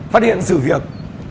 phát hiện sự việc